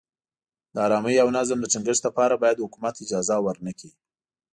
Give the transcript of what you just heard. د ارامۍ او نظم د ټینګښت لپاره باید حکومت اجازه ورنه کړي.